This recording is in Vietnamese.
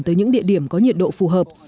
tới những địa điểm có nhiệt độ phù hợp